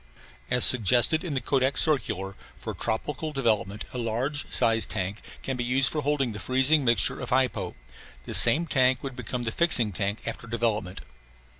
As suggested in the Kodak circular, for tropical development a large size tank can be used for holding the freezing mixture of hypo. This same tank would become the fixing tank after development.